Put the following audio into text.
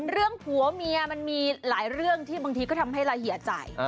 เรื่องผัวเมียมันมีหลายเรื่องที่บางทีก็ทำให้ละเอียดใจ